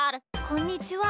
こんにちは。